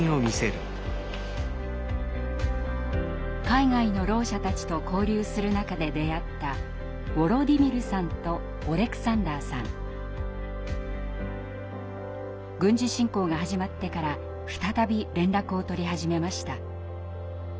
海外のろう者たちと交流する中で出会った軍事侵攻が始まってから再び連絡を取り始めました。